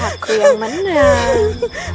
aku yang menang